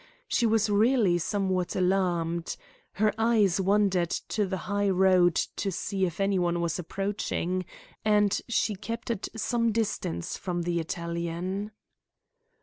She was really somewhat alarmed. Her eyes wandered to the high road to see if anyone was approaching, and she kept at some distance from the Italian.